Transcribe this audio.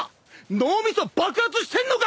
脳みそ爆発してんのか！